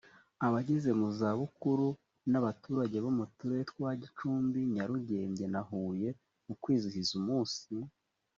abageze mu zabukuru n’abaturage bo mu turere twa gicumbi, nyarugenge na huye mu kwizihiza umunsi